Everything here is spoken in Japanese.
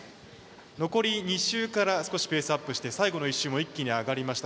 残り２周から少しペースアップして最後の１周も一気に上がりました。